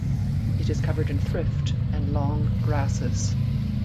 It is covered in thrift and long grasses.